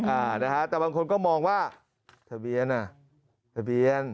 อ่านะฮะแต่บางคนก็มองว่าทะเบียนอ่ะทะเบียน